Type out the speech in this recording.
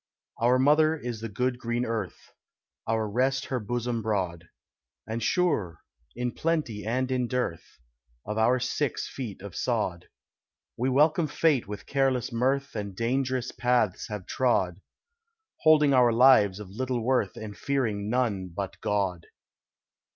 Our mother is the good green earth, Our rest her bosom broad; And sure, in plenty and in dearth, Of our six feet of sod, We welcome Fate with careless mirth And dangerous paths have trod, Holding our lives of little worth And fearing none but God.